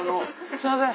すいません。